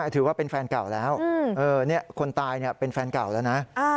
ถือว่าเป็นแฟนเก่าแล้วคนตายเป็นแฟนเก่าแล้วนะ